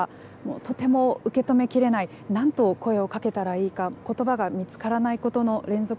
とても受け止めきれない何と声をかけたらいいか言葉が見つからないことの連続でした。